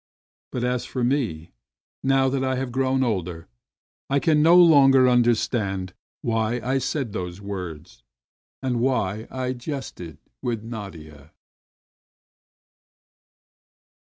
But as for me, now that I have grown older, I can no longer understand why I said those words and why I jested with Nadia.